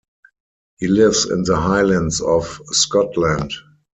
He lives in the Highlands of Scotland.